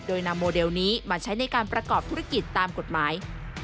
โดยนำโมเดลนี้มาใช้ในการประกอบธุรกิจตามกฎหมาย